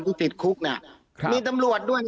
มีตำรวจด้วย